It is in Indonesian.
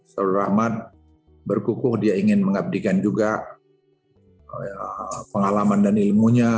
saudara rahmat berkukuh dia ingin mengabdikan juga pengalaman dan ilmunya